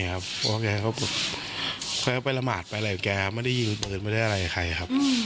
โหไม่ครับเพราะแกเขาไปละหมาดไปเลยแกไม่ได้ยิงปืนไม่ได้อะไรใครครับ